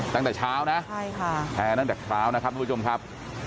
ตั้งแต่เช้านะใช่ค่ะแพร่ตั้งแต่เช้านะครับทุกผู้ชมครับ